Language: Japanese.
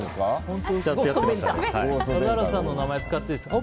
笠原さんの名前使っていいですか？